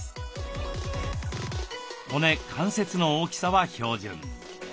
骨関節の大きさは標準。